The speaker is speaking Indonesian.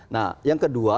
nah yang kedua